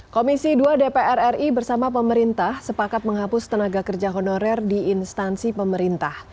komisi dua dpr ri bersama pemerintah sepakat menghapus tenaga kerja honorer di instansi pemerintah